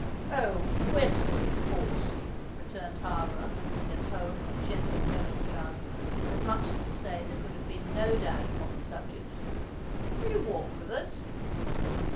"Oh! westward, of course," returned Harborough, in a tone of gentle remonstrance, as much as to say that there could have been no doubt upon the subject. "Will you walk with us?"